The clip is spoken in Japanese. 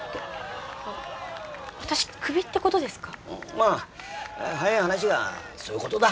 まあ早い話がそういう事だ。